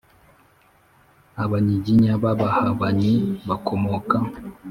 Abangiginya b’Abahabanyi bakomoka